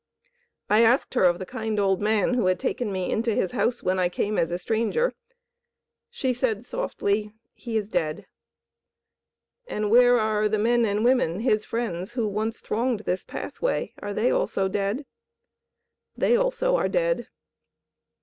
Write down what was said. I asked her of the kind old man who had taken me into his house when I came as a stranger. She said, softly, "He is dead." "And where are the men and women, his friends, who once thronged this pathway? Are they also dead?" "They also are dead."